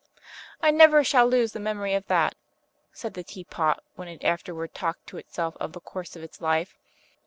"I never shall lose the memory of that!" said the Teapot, when it afterward talked to itself of the course of its life.